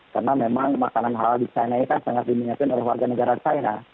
karena memang makanan halal di china ini kan sangat diminyakin oleh warga negara china